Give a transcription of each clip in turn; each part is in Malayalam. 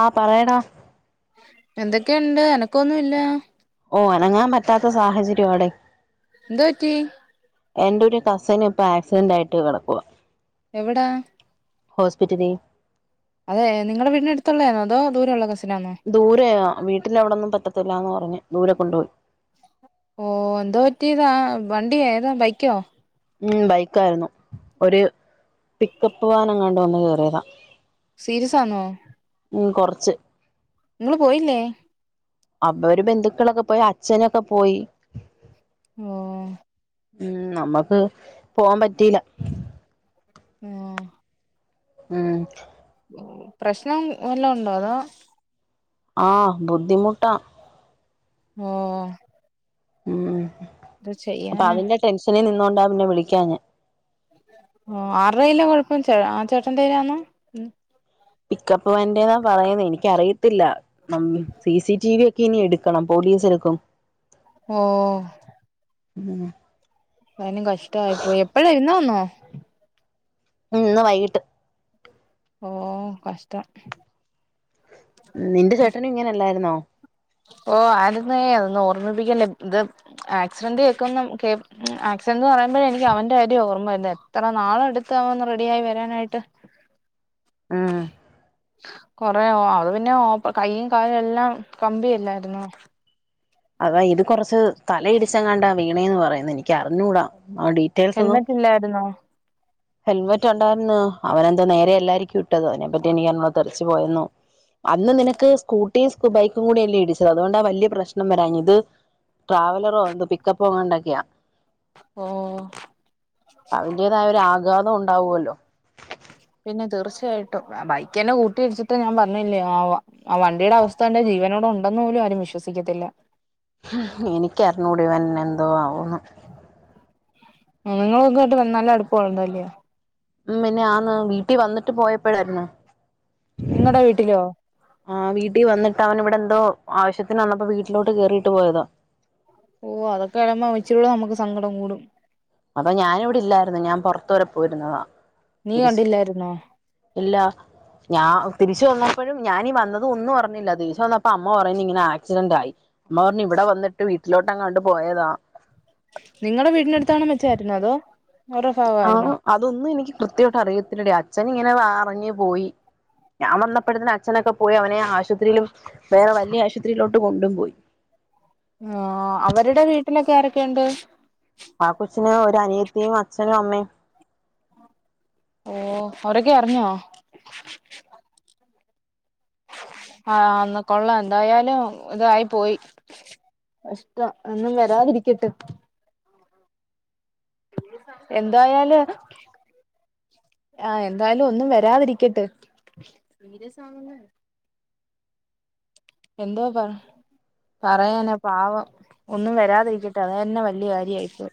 ആ പറയൻ എന്തൊക്കെ ഒണ്ട് എനക്കൊന്നും ഇല്ലാ ഓ അനങ്ങാൻ പറ്റാത്ത സാഹചര്യാ ടെ ന്ത് പറ്റി എന്റെ ഒരു കസിന് ഇപ്പൊ ആക്സിഡന്റ് ആയിട്ട് കെടക്കുവാ എവിടാ ഹോസ്പിറ്റലി അതെ നിങ്ങളടെ വീടിനടുത്തുള്ളതന്നോ അതോ ദൂരേ ഉള്ള ദൂരെയാ വീട്ടന്റെ അവിടൊന്നും പറ്റത്തില്ലന്ന് പറ ഞ്ഞ് ദൂരെ കൊണ്ടുപോയി. ഓ എന്തോ പറ്റിയതാ വണ്ടിയോ ഏതാ ബൈക്കോ? ഉം ബൈക്ക ആയിരുന്നു. ഒരു പിക്കപ്പ് വാന് എങ്ങാൻഡ് വന്ന് കേയറിയതാ. സീരിയസാണോ? ച് നിങ്ങള് പോയില്ലേ അപ്പ ഒരു ബന്ധുക്കളൊക്കെ പോയി അച്ഛനൊക്കെ പോയി. ഓ. ഉം നമ്മക്ക് പോവാൻ പറ്റില്ല. ഉം. ഉം പ്രശ്നം വല്ലോം ഉണ്ടോ അതൊ ആഹ് ബുദ്ധിമുട്ടാ ഓ ഉം ഇത് അപ്പൊ ചെയ്യാനാ അതിന്റെ ടെൻഷനിന്നോണ്ട് അതാപിന്നെ വിളിക്കാഞ്ഞെ ഓ ആറ്ടെ കൈലാ കൊഴപ്പം ചേ ആ ചേട്ടന്റെ കൈലാന്നൊ പിക്കപ്പ് വാനിന്റെന്നാ പറയുന്നേ എനിക്ക അറിയത്തില്ല മമ്മി സിസി ടിവി എക്കെ ഇനി എടുക്കണം പോലീസേക്കും ഓ ഉം അതിനും കഷ്ടമായി പോയി എപ്പഴാ ഇന്ന് വന്നോ ഇന്ന് വൈകിട്ട് ഓ കഷ്ടം നിന്റെ ചേട്ടനും ഇങ്ങനെല്ലാരുന്നോ ഓ ആരുന്നെ അതൊന്നും ഓർമ്മിപ്പിക്കില്ലേ ഇത് ആക്സിഡന്റ് കേക്ക്ന്ന് കേ ആക്സിഡന്റ് എന്ന് പറയുമ്പോഴെ എനിക്ക് അവന്റെ കാര്യം ഓർമ്മവരുന്നേ എത്ര നാള് എടുത്ത് അവനൊന്ന് റെഡി ആയി വരാനായിട്ട് ആഹ് കൊറെ ഓ അത് പിന്നെ ഓപ്പ കൈയും കാലും എല്ലാം കമ്പിയല്ലായിര്ന്നോ അതാ ഇത് കൊറച്ച് തലയിടിച്ചങ്ങാണ്ടാ വീണേന്ന് പറയുന്നു എനിക്ക് അറിഞ്ഞൂടാ ആ ഡീറ്റെയിൽസ് ഒന്നും ഹെൽമെറ്റ് ഇല്ലായിര്ന്നോ ഹെൽമെറ്റ് ഒണ്ടാര്ന്ന് അവനെന്തോ നേരെ അല്ലാരിക്കും ട്ടത് അയിനെ പറ്റി എനിക്ക് അറിഞ്ഞുടാത്ത ല്ല് പോയന്നോ അന്ന് നിനക്ക് സ്കൂട്ടിയും സ് ബൈക്കും കൂടില്ലേ ഇടിച്ചത് അതുകൊണ്ടാ വല്യാ പ്രശ്ന ഒന്നും വരാഞ്ഞത് ട്രാവലറോ എന്തോ പിക്കപ്പ്ങ്ങണ്ടക്കിയാ ഓ അതിന്റേതായ ഒരു ആഘാതം ഒ ആവോല്ലോ പിന്നെ തീർച്ചയായിട്ടും ബൈക്കെന്നെ കൂട്ടിയിടിച്ചിട്ട് ഞാൻ പറഞ്ഞില്ലേ ആ ആ വണ്ടിടെ അവസ്ഥ കണ്ട ജീവനോടെ ഒന്നു പോലും ആരും വിശ്വസിക്കത്തില്ല എനിക്കർഞ്ഞൂട ഇവനെന്തോ ആവുന്ന് ഇങ്ങൾ ഇങ്ങട്ട് വന്നലെ [unintelligible] ഉം പിന്നെ ആന്ന് വീട്ടി വന്നി ട്ട് പോയപ്പഴായിര്ന്ന് നിങ്ങടെ വീട്ടിലോ ആ വീട്ടി വന്നിട്ട് അവൻ ഇവ എന്തോ ആവശ്യത്തിന് വന്നപ്പോ വീട്ടിലോട്ട് കേറിട്ട് പോയതാ ഓ അതൊക്കെ ആവുമ്പ ഇച്ചിരിയുടെ നമ്മക്ക് സങ്കടം കൂടും അപ്പം ഞാനിവടെ ഇല്ലാരുന്നു ഞാൻ പൊറത്ത് വരെ പോയിരുന്നു അതാ നീ തിരിച്ച് കണ്ടില്ലായിരുന്നോ ഇല്ല ഞാ തിരിച്ച് വന്നപ്പോഴും ഞാനീ വന്നത് ഒന്നും അറിഞ്ഞില്ല തിരിച്ച് വന്നപ്പോ അമ്മ പറ പ്പ ഇങ്ങനെ ആക്സിഡന്റ് ആയി അമ്മ പറഞ്ഞു ഇവിടെ വന്നിട്ട് വീട്ടിലോട്ട് അങ്ങാണ്ട് പോയതാ പിന്നതോ ആ അതൊന്നും എനിക്ക് കൃത്യവായിട്ട് അറിയത്തില്ലടി അച്ഛൻ ഇങ്ങനെ അറിഞ്ഞ് പോയി ഞാൻ വന്നപ്പഴന്നെ അച്ഛനൊക്കെ പോയി അവനെ ആശുപത്രിയിലും വേറെ വല്യ ആശുപത്രിലോട്ട് കൊണ്ടും പോയി ആ അവരുടെ വീട്ടിലൊക്കെ ആരൊക്കെയുണ്ട്? ആ കൊച്ചിന് ഒരു അനീത്തിയും, അച്ഛനും, അമ്മേം. ഓ അവരൊക്കെ അറിഞ്ഞോ? ആ ആന്ന് കൊള്ളാം എന്തായാലും ഇതായി പോയി കഷ്ടം ഒന്നും വരാതിരിക്കട്ട് എന്തായാലും എന്തായാലും ഒന്നും വരാതിരിക്കട്ട് എന്തോ പറ- പറയാനെ പാവം ഒന്നും വരാതിരിക്കട്ടെ അത് തന്നെ വല്ല്യ കാരിയ -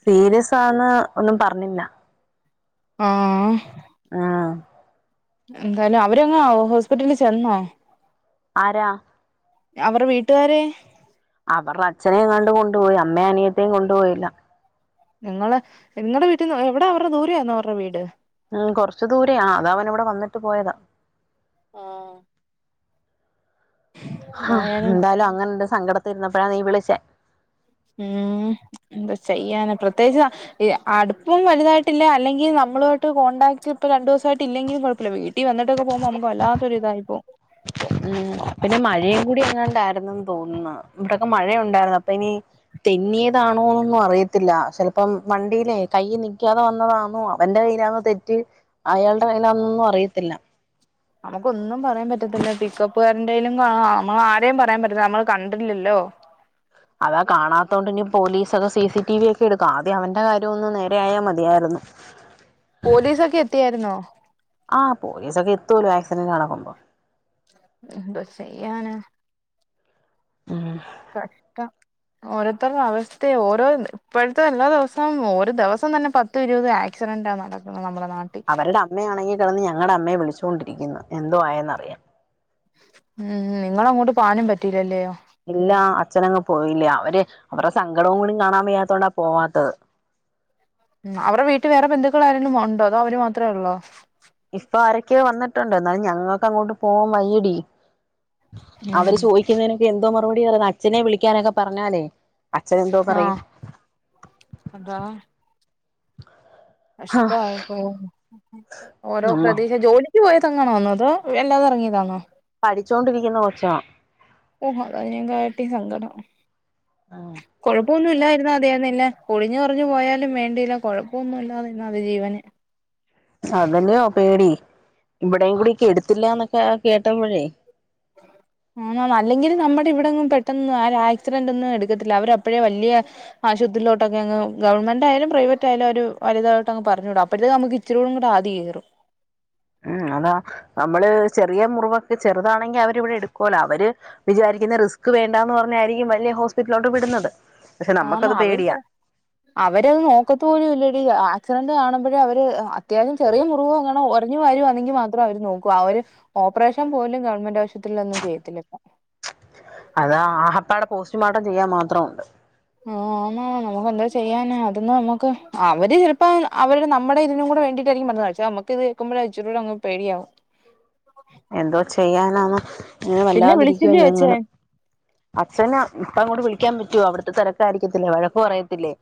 സീരിയസ് ആന്ന് ഒന്നും പറഞ്ഞില്ല ഉം ഹ് ആ എന്തായാലും അവരങ്ങ് ഹോസ്പിറ്റലിൽ ചെന്നോ ആരാ അവരുടെ വീട്ട്കാര് എ അവർടെ അച്ചനെ എങ്ങാണ്ട് കൊണ്ടുപോയി അമ്മേം അനി അനിയത്തിയേം കൊണ്ട് പോയില്ല നിങ്ങൾ നിങ്ങടെ വീട്ടിന്ന് എവിടെ അവരുടെ ദൂരെ ആയിരുന്നോ അവരുടെ വീട്? ഉം കൊർച്ച് ദൂ-രെയാ അത് അവൻ ഇവിടെ വന്ന് ട്ട് പോയതാ ആ ഹ്ആ എന്തായാലും അങ്ങനെ ഇണ്ട് സങ്കടം - ത് ഇര്ന്നപ്പഴാ നീ വിളിച്ചേ ഉം എന്ത്‌ ചെയ്യാൻ പ്രത്യേകിച്ച് ഇ അടുപ്പും വലുതായിട്ടില്ല അല്ലെങ്കിൽ നമ്മളു ആയിട്ട് കോൺടാക്ട് ഇപ്പ രണ്ടു ദിവസമായിയിട്ട് ഇല്ലെങ്കിലും കൊഴപ്പയില്ല വീട്ടിൽ വന്നിട്ടൊക്കെ പോകുമ്പോ നമുക്ക് വല്ലാത്തൊര് ഇതായി പോവും. ഉം പിന്നെ മഴയും കൂടി അങ്ങാണ്ടായ [unintelligible] തോന്നുന്നോ ഇവിടയൊക്കെ മഴയുണ്ടായിരുന്നു അപ്പൊ ഇനി തെന്നിയതാണോന്നൊന്നും അറിയത്തില്ല ചെലപ്പം- വണ്ടിയിലേ കൈയിൽ നിൽക്കാതെ വന്നതാണോ അവന്റെ കയ്യിയിലാണോ തെറ്റ് അയാളുടെ കയ്യിലാന്നൊന്നും അറിയത്തില്ല നമുക്ക് ഒന്നും പറയാൻ പറ്റത്തില്ല പിക്കപ്പ് ഉപ്പോരലും കാണോ നമ്മ ആരേും പറയാൻ പറ്റില്ല നമ്മൾ കണ്ടില്ലല്ലോ അതാ കാണാത്തോണ്ട് ഇനി പോലീസൊക്കെ സി സി ടി വി ഒക്കെ എടുക്കും ആദ്യം അവന്റെ കാര്യം ഒന്ന് നേര ആായാമതിയായിരുന്നു പോലീസൊക്കെ എത്തിയായിരുന്നോ ആഹ പോലീസൊക്കെ എത്തും അല്ലോ ആക്സിഡന്റ് നടക്കുമ്പോ എന്തോ ചെയ്യാനാ ഉം കഷ്ടം ഓരോരുത്തരുടെ അവസ്ഥയ ഓരോ ഇപ്പോഴത്തെ എല്ലാ ദിവസവും ഒരു ദിവസം തന്നെ പത്തും ഇരുപത് ആക്സിഡന്റ് നടക്കുന്നത് നമ്മുടെ- നാട്ടിൽ അവരുടെ അമ്മയാണെങ്കിൽ കിടന്ന് ഞങ്ങളുടെ അമ്മയെ വിളിക്കും ണ്ടിരിക്കുന്നു എന്തോ ആയെന്നറിയൻ ഉം നിങ്ങള അങ്ങോട്ട് പോനും പറ്റീലല്ലേയോ ഇല്ല അച്ഛനങ്ങ് പോയിലെ അവര്- അവരുടെ സങ്കടവും കൂടി കാണാൻ വയ്യാ - ഇത്തോണാ പോവാത്തത് ഉം അവരുടെ വീട്ടിൽ വേറെ ബന്ധുക്കൾ ആരെങ്കിലും ഉണ്ടോ അതോ അവര് മാത്രമേ ഉള്ളോ ഇപ്പൊ ആരൊക്കെയോ വന്നിട്ടുണ്ട് എന്നാലും ഞങ്ങൾക്ക് അങ്ങോട്ട് പോവാൻ വയ്യടി ഉം അവര് ചോദിക്കുന്ന എന്തോ മറുപടി പറന്ന് അച്ഛനെ വിളിക്കാനൊക്കെ പറഞ്ഞാലേ അച്ഛൻ എന്തോ പറയും ആഹ് ആ കഷ്ടമായിപ്പോയി ഓരോ നമ്മ പ്രദേശ ജോലിക്കയ [unintelligible] ങ്ങണോന്നോ അത് വല്ലാത ഇറങ്ങിയതാണോ പഠിച്ചോണ്ടിരിക്കുന്ന കൊച്ചാ ഓഹ അതിനേക്കാട്ടി സങ്കടം കൊഴപ്പൊന്നുംല്ലായിരുന്ന മതിയായിരുന്നല്ലേ കുളിഞ്ഞു കുറഞ്ഞു പോയാലും വേണ്ടയില്ല കൊഴപ്പൊന്നുമ ഇല്ലാത അതി ജീവന് അതല്ലെയോ പേടി ഇവിടേയും കൂടിക്കെ എടുത്തില്ലന്നൊക്കെ കേട്ടപ്പോഴേ ആ അല്ലെങ്കിൽ നമ്മുടെ ഇവിടെ ഒന്നും പെട്ടന്ന് ആ ആക്സിഡന്റ് ഒന്നും എടുക്കത്തില്ല അവര അപ്പോഴേ വലിയ ആശുപത്രിയിലോട്ടൊക്കെ അങ്ങ് ഗവൺമെന്റ് ആയാലും പ്രൈവറ്റ് ആയാലും അവര് വലുതായിട്ട്ങ്ങ് പറഞ്ഞുകൂടും അപ്പോഴത്തത്തെ നമുക്ക് ഇച്ചരി കൂടെ ആദി കേറും ഉം അതാ നമ്മള് ചെറിയ മുറിവ ചെറുതാണെങ്കിൽ അവരിവിടെ എടുക്കുവല്ലോ അവര് വിചാരിക്കുന്ന റിസ്ക് വണ്ട എന്ന് പറഞ്ഞായിരിക്കും വലിയ ഹോസ്പിറ്റലിലോട്ട് വിടുന്നത് പക്ഷെ ആ നമുക്കത് അവര് പേടിയാ ചല അവരത് നോക്കത്ത പോലും ഇല്ലടി ആക്സിഡന്റ് കാണുമ്പോഴേ അവര് അത്യാവശ്യം ചെറിയ മുറിവ് അങ്ങണം ഒറിഞ്ഞു വരുവാണെങ്കിൽ മാത്രം അവര് നോക്കു അവര് ഓപ്പറേഷൻ പോലും ഗവൺമെന്റ് ആശുപത്രിലോന്നും ചെയ്യത്തില്ല പ്പോ ആഹപ്പാട പോസ്റ്റ്മോർട്ടം ചെയ്യാൻ മാത്രം ഉണ്ട് ആഹ് നമുക്ക് എന്താ ചെയ്യാന അതന്ന് നമുക്ക് അവര് ചിലപ്പോ അവര് നമ്മുടെ ഇതിനും കൂടെ വേണ്ടിട്ടായിരിക്കും പറഞ്ഞ നമ്മുക്ക് ഇത് കേക്കുമ്പോഴ ഇച്ചറൂങ്ങ് പേടിയാവും ചെയ്യാനാമ അങ്ങനെ പിന്നെ വല്ലാതിരിക്കുവ വിളിച്ചില്ലേ ഞങ്ങള് അച്ഛൻ അച്ഛന ഇപ്പ അങ്ങോ വിളി വിളിക്കാൻ പറ്റുവോ അവിടുത്തെ തിരക്കാ ആരിക്കത്തില്ലേവഴക്ക് പറയത്തില്ലേ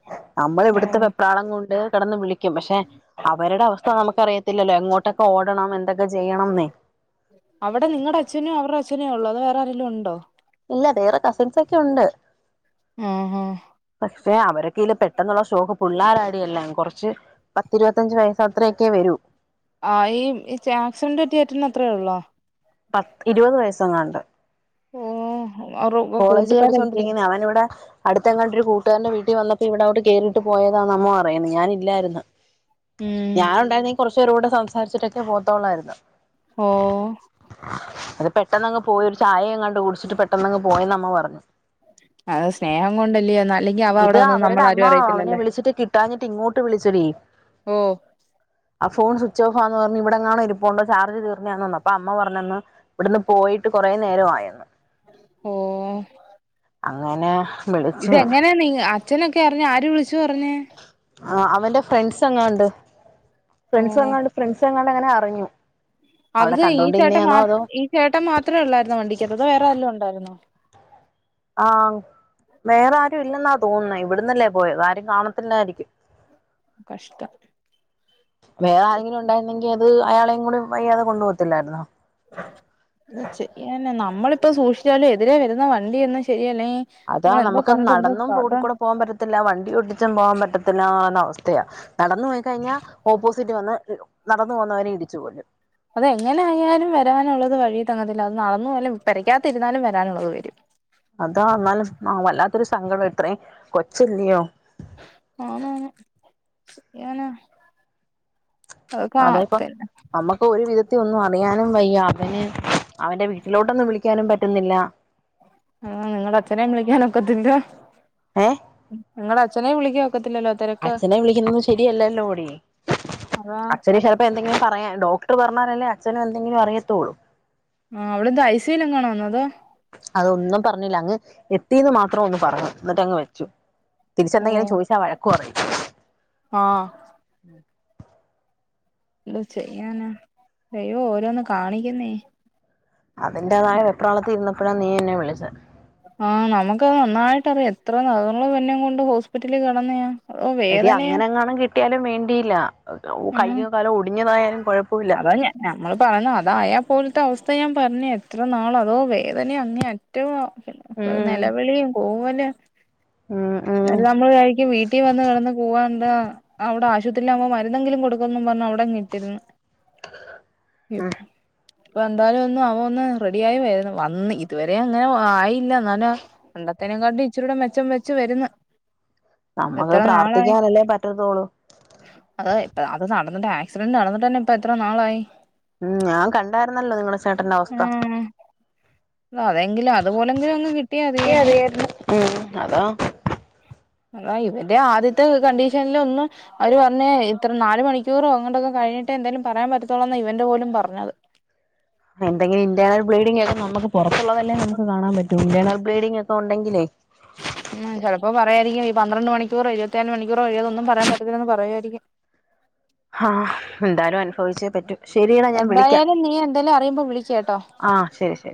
നമ്മള് ഇവിടത്തെ ഉം വെപ്രാളം കൊണ്ട് കെടന്ന് വിളി ക്കും പക്ഷെ അവരുടെ അവസ്ഥ നമുക്കറിയ ത്തില്ലല്ലോ എങ്ങോട്ടൊക്കെ ഓടണം എന്തൊക്കെ ചെയ്യണംന്ന് അവടെ നിങ്ങടെ അച്ഛനും അവരുടെ അച്ഛനും ഉള്ളത് വേറൊരെങ്കിലും ഉണ്ടോ ഇല്ല വേറെ കസിൻസൊക്കെ ഉണ്ട് ആ ഹാ പക്ഷെ അവരൊക്കെ ഇല് പെട്ടെന്നുള്ള ഷോക്ക് പിള്ളോരാടിയല്ലാം കുറച്ച് പത്തിരുപത്തഞ്ച്‌ വയസ്സ് അത്രയൊക്കെ വരൂ ആ ഈ ഇചേ ആക്സിഡന്റ് പറ്റിയ യേട്ടന് അത്രയോള്ളോ പത്ത് ഇരുപത് വയസ്സെങ്ങാണ്ട് ഓ അവരുടെ കോളേജിൽ കൂട്ടുകാരല്ലേ പഠിച്ചുകോണ്ടിരിക്കുന്ന അവൻ ഇവിടെ അടുത്തങ്ങാണ്ട് ഒരു കൂട്ടുകാരടെ വീട്ട ട്ടി വന്നപ്പോ ഇവിടോട്ട് കേയറിയിട്ട് പോയതാ അമ്മ പറയുന്നു ഞാനില്ലായിരുന്നു ഉം ഞാന് ഉണ്ടായിരുന്നേ കുറച്ച് നേരൂടെ സംസാരിച്ചിട്ടൊക്കെ പോകത്തളായിരുന്നു ഓ അത് പെട്ടെന്നങ്ങ് പോയൊ ചായ ഇങ്ങണ്ട് കുടിച്ചിട്ട് പെട്ടന്നങ്ങ് പോയന്ന് അമ്മ പറഞ്ഞു അത് സ്നേഹം കൊണ്ടല്ലേ അല്ലെങ്കി അവ ഇത് അവിടെ വന്ന അവരുടെ നമ്മൾ അമ്മ ആരും അവനെ അറിയത്തില്ലല്ലേ വിളിച്ചിട്ട് കിട്ടാഞ്ഞിട്ട് ഇങ്ങോട്ട് വിളിച്ചടി ഓ ആ ഫോൺ സ്വിച്ച് ഓഫാന്ന് പറഞ്ഞു ഇവിടെങ്ങണോ ഇരിപ്പുണ്ടോ ചാർജ് തീർന്നതന്നന്ന് അപ്പൊ അമ്മ പറഞ്ഞന്ന് ഇവിടുന്ന് പോയിട്ട് കുറെ നേരമായെന്ന് ഓ അങ്ങനെ വിളിച്ച് ഇതെങ്ങനെയാ നീ അച്ഛനൊക്കെ അറിഞ്ഞ് ആര് വിളിച്ചു പറഞ്ഞേ ആ അവന്റെ ഫ്രണ്ട്സ് എങ്ങാണ്ട് ഓ ഫ്രണ്ട്സ് വന്നാണ്ട് ഫ്രണ്ട്സ് ങ്ങാണ്ട് അങ്ങനെ അ പറഞ്ഞു അത് ഈ ചേട്ടൻ മാത്രം ഈ ചേട്ടൻ മാത്രെ ഒള്ളായിരുന്നോ വണ്ടിക്കത് അതൊ വേറെ ആരേലുവൊണ്ടാരുന്നോ? ആ വേറെ ആരും ഇല്ലെന്നാ തോന്നുന്നേ ഇവിടന്നല്ലേ പോയത് ആരും കാണത്തില്ലാരിക്കും കഷ്ടം വേറെ ആരെങ്കിലും ഒണ്ടാരുന്നെങ്കി അത് അയാളെയും കൂടി വയ്യാതെ കൊണ്ട് പോകത്തില്ലാരുന്നോ ഇന്നുച്ചയ്ക്കെന്നെ നമ്മളി പ്പോ സുഷിച്ചാലും എതിരെ വരുന്ന വണ്ടിയൊന്നും ശെരി അതാ നമുക്കും നടന്നും കഥ റോഡികൂടെ പോവാപറ്റത്തില്ല വണ്ടി ഓടിച്ചും പോവാപറ്റ ത്തില്ലന്നവസ് വന്ന് നടന്നു പോകുന്നവരെ ഇടിച്ചു കൊല്ലും അതെങ്ങനൊയാലും വരാനൊള്ളത് വഴിയി തങ്ങാ ത്തില്ല അത് നടന്നു പോയാലും പെരാക്കത്തിരുന്നാലും വരാനൊള്ളത് വരും. അതാ ന്നാലും ആ വല്ലാത്തൊരു സങ്കടം ഇത്രേം കൊച്ചല്യോ ആണോന്ന് ചെയ്യാനാ അതായിപ്പൊ നമ്മുക്ക് ഒരു വിധത്തി ഒന്നും അറി റയാനും വയ്യ അവന് - അവന്റെ വീട്ടിലോട്ടൊന്നും വിളിക്കാനും പറ്റുന്നില്ല- ഉം നിങ്ങടെ അച്ഛനേം വിളിക്കാൻ ഒക്കത്തില്ല- ഏ നിങ്ങളെ അച്ഛനെ വിളി അച്ഛനെ വിളിക്കുന്ന ശരിയല്ലല്ലോ ടീ അതാ അച്ഛന് ചിലപ്പോ എന്തെങ്കിലും പറയാൻ ഉണ്ടാവും- പറഞ്ഞാലല്ലേ അഛന് എന്തെങ്കിലും അറിയത്തോളു ആ അവള് എന്താ ഐസിയിലെങ്ങാണോ തോ അതൊന്നും പറഞ്ഞില്ല അങ്ങ് എത്തീന്ന് മാത്രം ഒന്ന് പറഞ്ഞു എന്നിട്ടങ്ങ് വച്ചു ഓ തിരിച്ചന്തെിലും ചോദിച്ചാൽ വഴക്ക് പറയും ആ എന്ത് ചെയ്യാനാ ദൈവം ഓരോന്ന് കാണിക്കുന്നേ അതിന്റെതായ വെപ്രാളത്തിന്ന് അപ്പോഴാ നീ എന്നെ വിളിച്ചേ ആ നമുക്കത് നന്നായിട്ടറിയാം എത്ര [unintelligible] കൊണ്ട് ഹോസ്പിറ്റലിൽ കിടന്നതാ എടീ അങ്ങനെഎങ്ങാനും കിട്ടിയാലും വേണ്ടിയില്ല അതോ ഉം കൈയ്യോ കാലോ ഒടിഞ്ഞതായാൽ അതാ ഞ ഞമ്മള് പറഞ്ഞു അതായാ പോലത്തെ അവസ്ഥ ത്ത ഞാൻ പറഞ്ഞു എത്ര നാള അതോ വേദന അങ്ങേ അറ്റവും [unintelligible] ഉം നിലവിളിയും പോവും പോനാ ഉം ഉം അല്ല നമ്മള് യാരിക്കും വീട്ടിൽ വന്ന് കിടന്ന് പോവാന്ന് ആ അവിടെ ആശുപത്രി ആവുമ്പോ മരുന്നെങ്കിലും കൊടുക്കുംന്ന് പറഞ്ഞു അവിടങ്ങനെ ഇട്ടിരുന്നു ഇ ഉം സ് ഇപ്പ എന്തായാലും ഒന്നും അവ ഒന്ന് റെഡിയായി വരുന്നു. വന്ന് ഇതുവരെ അങ്ങനെ ആയില്ല എ പണ്ടത്തേനുംക്കാട്ടും ഇച്ചിരിൂടെ മെച്ചം വെച്ചു വന്ന് നമ്മക്ക് എത്ര നാളായി പ്രാർത്ഥിക്കാനല്ലേ പറ്റത്തോളൂ അത ഇപ്പ അത് നടത്ത് ആക്സിഡന്റ് നടന്നട്ട് തന്നെ ഇപ്പ എത്ര നാളായി ഉ ഞാൻ കണ്ടായിരുന്നല്ലോ നിങ്ങള ചേട്ടന്റെ അവസ്ഥ ആഹ് അതെങ്കിലും അതുപോലെങ്കിലും അങ്ങ് കിട്ടിയാ മതിയായിരുന്നു അ ഉ അതാ അതാ ഇവന്റെ ആദ്യത്തെ കണ്ടീഷനൽ ഒന്ന് അവര് പറഞ്ഞ ഇത്ര നാല് മണിക്കൂറോ അങ്ങാണ്ടക്കെ കഴിഞ്ഞി എന്തായാലും പറയാൻ പറ്റത്തോള്ളന്ന ഇവന്റ പോലും പറഞ്ഞത് എന്തെങ്കിലും ഇന്റെർണൽ ബ്ലീഡിങ് ഒക്കെ നമുക്ക് പുറത്തുള്ളതല്ലേ നമുക്ക് കാണാൻ പറ്റു ഇന്റർണെൽ ബ്ലീഡിംഗ് ഒക്കെണ്ടെങ്കിലേ ഉം ചിലപ്പോ പറയായിരിക്കും ഈ പന്ത്രണ്ട് മണിക്കൂറോ ഇരുരുപത്തിനാല് മണിക്കൂറോ കഴിയത ഒന്നും പറയാൻ പറ്റത്തില്ലെന്ന് പറയുമായിരിക്കും ചോദിച്ചേ പറ്റൂ ശരിയടാ ഞാൻ വിളിക്കാം എന്തായാലും നീ എന്തേലും അറിയുമ്പോ വിളിക്കട്ടോ ആഹ് ശരി ശരി